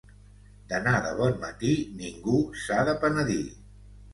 D'anar de bon matí, ningú s'ha de penedir.